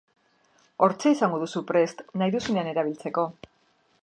Hortxe izango duzu prest nahi duzunean erabiltzeko.